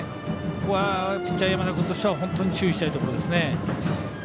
ここはピッチャー山田君としては本当に注意したいところですね。